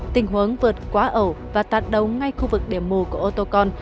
tình huống vượt quá ẩu và tạt đầu ngay khu vực điểm mù của ô tô con